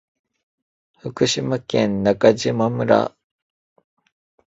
福島県中島村